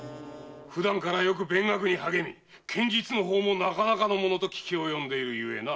普段からよく勉学に励み剣術の方もなかなかのものと聞き及んでいるゆえな。